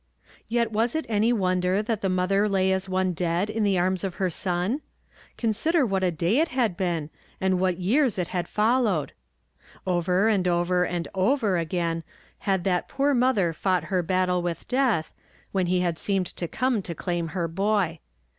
Yet was it any wonder that the mother lay as one dead in the arms of her son ? Consider what a day it had been, and what years it had followed. Over and over and over again had that poor mother fought her battle with death, when he had seemed to come to claim her boy.